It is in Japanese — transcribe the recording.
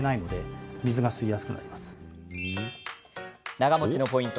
長もちのポイント